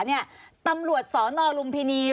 เนี่ยตำรวจสนลุมพินี